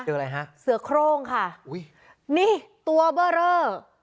อะไรฮะเสือโครงค่ะอุ้ยนี่ตัวเบอร์เรอ